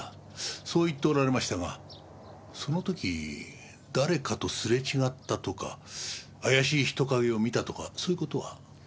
そう言っておられましたがその時誰かとすれ違ったとか怪しい人影を見たとかそういう事は？